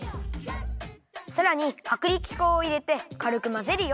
さらにはくりき粉をいれてかるくまぜるよ。